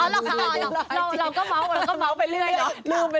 เราก็เมาท์ไปเรื่อยเนาะ